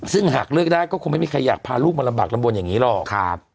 ซึ่งหากเลือกได้ก็คงไม่มีใครอยากพาลูกมาลำบากลำบลอย่างนี้หรอก